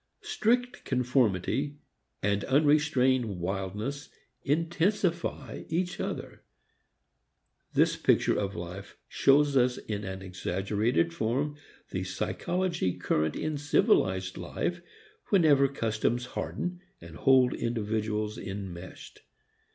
Strict conformity and unrestrained wildness intensify each other. This picture of life shows us in an exaggerated form the psychology current in civilized life whenever customs harden and hold individuals enmeshed.